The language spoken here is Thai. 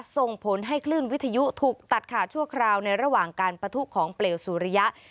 ส่งผลให้คลื่นวิทยุถูกตัดขาดชั่วคราวในระหว่างการปะทุของเปลวสุริยะ